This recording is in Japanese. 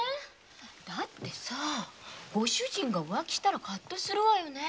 だってサご主人が浮気したらカッとするわヨ。